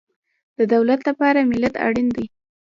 د دولت لپاره ملت اړین دی